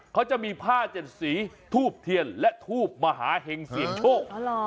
เขาจะมีผ้าเจ็ดสีทูบเทียนและทูบมหาเห็งเสียงโชค